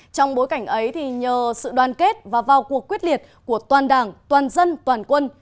trong bối cảnh ấy nhờ sự đoàn kết và vào cuộc quyết liệt của toàn đảng toàn dân toàn quân